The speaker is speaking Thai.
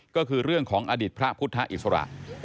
ก็คือเรื่องของอดีตพระพุทธอิสระ